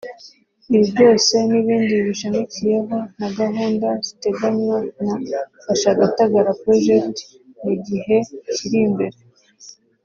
Ibi byose n’ibindi bibishamikiyeho na gahunda ziteganywa na “Fasha Gatagara Project” mu gihe kiri imbere